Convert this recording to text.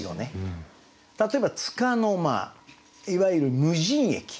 例えば「束の間」いわゆる「無人駅」。